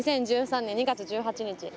２０１３年２月１８日。